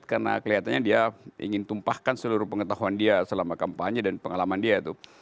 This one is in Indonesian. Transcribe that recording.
karena kelihatannya dia ingin tumpahkan seluruh pengetahuan dia selama kampanye dan pengalaman dia